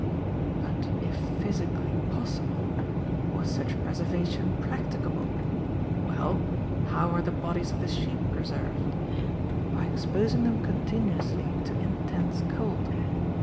"But if physically possible, was such preservation practicable? Well, how are the bodies of the sheep preserved? By exposing them continuously to intense cold.